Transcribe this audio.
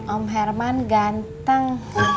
om herman ganteng